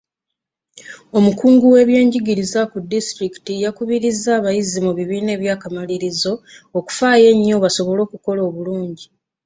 Omukungu w'ebyenjigiriza ku disitulikiti yakubirizza abayizi mu bibiina eby'akamalirizo okufaayo ennyo basobole okukola obulungi.